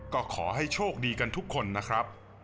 ก็ขอให้โชคดีกันทุกคนนะครับ